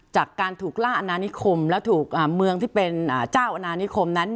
จากการถูกล่าอนานิคมและถูกเมืองที่เป็นเจ้าอนานิคมนั้น